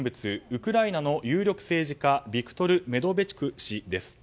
ウクライナの有力政治家ビクトル・メドベチュク氏です。